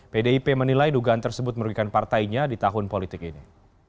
pdip menilai dugaan tersebut merugikan partainya di tahun politik ini